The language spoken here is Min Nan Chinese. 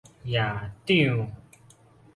驛長